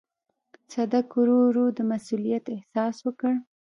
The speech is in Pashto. صدک ورو ورو د مسووليت احساس وکړ.